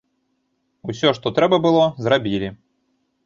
Усё, што трэба было, зрабілі.